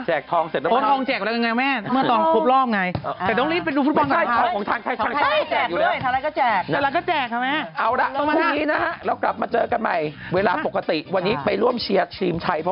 แองจี้ถ้าหากว่าถ่ายชนะวันนี้พวกนี้แจก